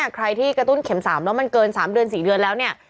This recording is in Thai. ใครที่กระตุ้นเข็ม๓แล้วมันเกิน๓เดือน๔เดือนแล้วเนี่ย